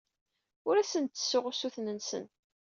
Ur asen-d-ttessuɣ usuten-nsen.